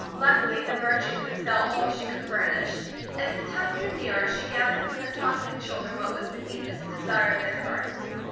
Luckily the merchant could sell all she could furnish. As the time drew nearer, she gathered from the talk of the children what was the deepest desire of their hearts.